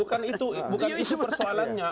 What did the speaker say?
bukan itu bukan isu persoalannya